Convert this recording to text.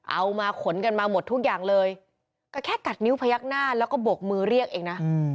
เอามาขนกันมาหมดทุกอย่างเลยก็แค่กัดนิ้วพยักหน้าแล้วก็บกมือเรียกเองนะ